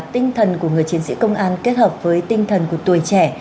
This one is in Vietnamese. tinh thần của người chiến sĩ công an kết hợp với tinh thần của tuổi trẻ